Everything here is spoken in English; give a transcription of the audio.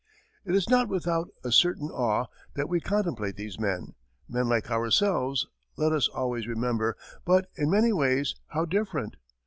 It is not without a certain awe that we contemplate these men men like ourselves, let us always remember, but, in many ways, how different!